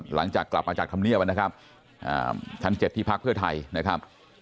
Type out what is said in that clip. หลังจากกลับมาจากธรรมเนียบนะครับชั้น๗ที่พักเพื่อไทยนะครับ